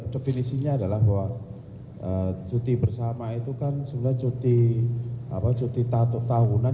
definisinya adalah bahwa cuti bersama itu kan sebenarnya cuti tahunan